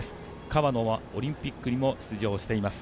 川野はオリンピックにも出場しています。